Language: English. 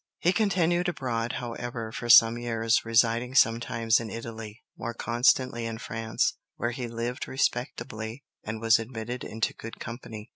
He continued abroad, however, for some years, residing sometimes in Italy, more constantly in France, "where he lived respectably and was admitted into good company."